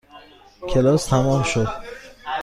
کلاس تمام شد.